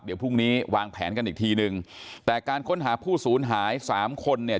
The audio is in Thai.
เดี๋ยวพรุ่งนี้วางแผนกันอีกทีนึงแต่การค้นหาผู้สูญหายสามคนเนี่ย